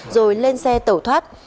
rồi lên xe tẩu thoát